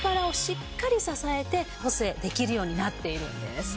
しっかり支えて補整できるようになっているんです。